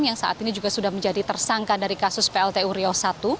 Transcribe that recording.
yang saat ini juga sudah menjadi tersangka dari kasus plt uriau i